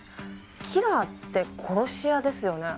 キラーって殺し屋ですよね？